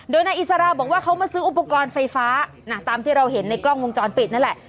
โดยนายอิสราบอกว่าเขามาซื้ออุปกรณ์ไฟฟ้าตามที่เราเห็นในกล้องวงจรปิดนั่นแหละ